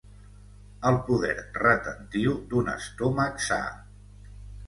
El poder retentiu d'un estómac sa.